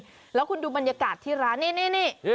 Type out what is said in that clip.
พื้นบ้านคุณคุณดูบรรยากาศที่ร้านนี้